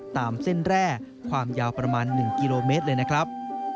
ตามเส้นแร่ความยาวประมาณ๑กิโลเมตรเลยนะครับ